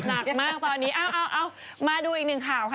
หนักมากตอนนี้เอามาดูอีกหนึ่งข่าวค่ะ